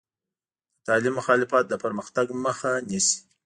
د تعلیم مخالفت د پرمختګ مخه نیسي.